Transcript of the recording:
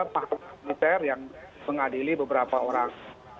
pakar militer yang mengadili beberapa orang